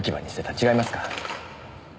違いますか？